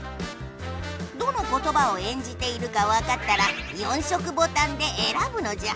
どの言葉を演じているかわかったら４色ボタンでえらぶのじゃ。